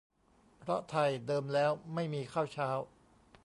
เพราะไทยเดิมแล้วไม่มีข้าวเช้า